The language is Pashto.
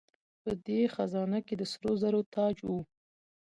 په دې خزانه کې د سرو زرو تاج و